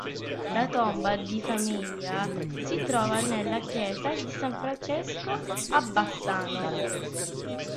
La tomba di famiglia si trova nella chiesa di San Francesco a Bassano.